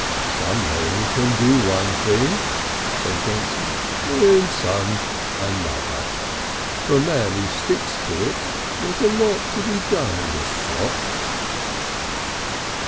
"Some men can do one thing," said Johnson, "and some another.... For a man who sticks to it there's a lot to be done in a shop."